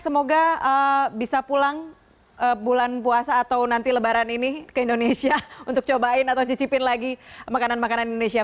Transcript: semoga bisa pulang bulan puasa atau nanti lebaran ini ke indonesia untuk cobain atau cicipin lagi makanan makanan indonesia